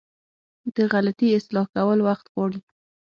د غلطي اصلاح کول وخت غواړي.